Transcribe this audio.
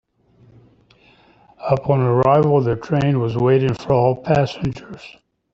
Upon arrival, the train was waiting for all passengers.